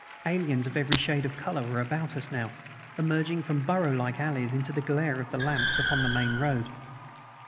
Aliens of every shade of color were about us now, emerging from burrow like alleys into the glare of the lamps upon the main road.